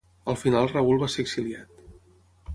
Al final Raül va ser exiliat.